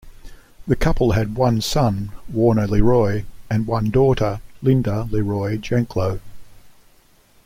The couple had one son, Warner LeRoy and one daughter, Linda LeRoy Janklow.